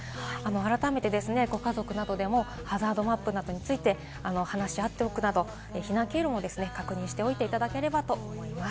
改めてご家族などでもハザードマップなどについて話し合っておくなど、避難経路も確認しておいていただければと思います。